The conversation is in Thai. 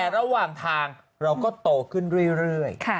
แต่ระหว่างทางเราก็โตขึ้นเรื่อย